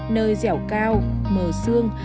nơi dẻo cao mờ xương